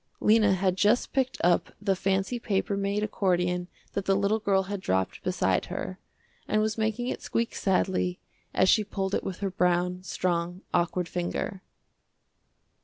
Lena had just picked up the fancy paper made accordion that the little girl had dropped beside her, and was making it squeak sadly as she pulled it with her brown, strong, awkward finger.